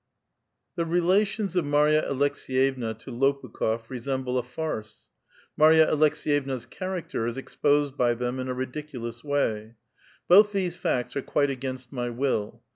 The relations of IMarNa Aleksdyevna to IjOpukh6f resemble a farce ; Marva Aleks^yevna's character is exposed by them in a ridiculous way. Both these facts are quite against my will.